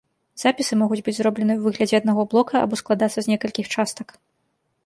Запісы могуць быць зробленыя ў выглядзе аднаго блока або складацца з некалькіх частак.